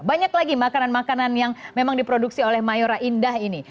banyak lagi makanan makanan yang memang diproduksi oleh mayora indah ini